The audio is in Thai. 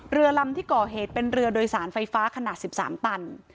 เรือลำที่ก่อเหตุเป็นเรือโดยสารไฟฟ้าขนาด๑๓ตัน